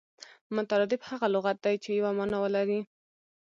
مترادف هغه لغت دئ، چي یوه مانا ولري.